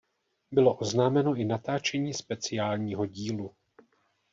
Bylo oznámeno i natáčení speciálního dílu.